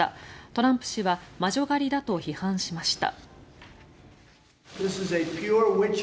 トランプ氏は魔女狩りだと批判しました。